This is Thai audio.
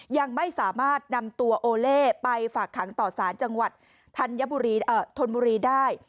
ยังไม่สามารถนำตัวโอเล่ไปฝากขังต่อสารจังหวัดธัญธนบุรีได้